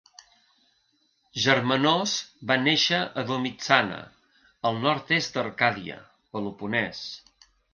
Germanós va néixer a Dimitsana, al nord-oest d'Arcàdia, Peloponès.